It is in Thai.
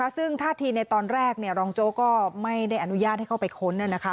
ซึ่งท่าทีในตอนแรกรองโจ๊กก็ไม่ได้อนุญาตให้เข้าไปค้น